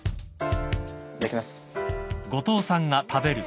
いただきます。